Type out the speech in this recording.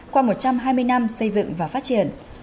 qua một trăm hai mươi năm xây dựng và phát triển